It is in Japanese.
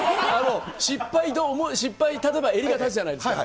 失敗、例えば襟が立つじゃないですか。